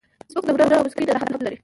فېسبوک د هنر او موسیقۍ ننداره هم لري